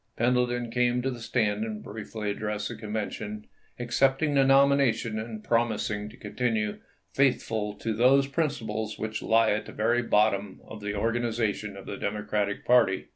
Pendleton came to the stand and briefly addressed the Convention, accepting the nomination and promising to continue " faithful to those principles which lie at the very bottom of the organization of the Democratic party."